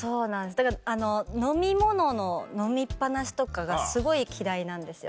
だから飲み物の飲みっ放しとかがすごい嫌いなんですよ。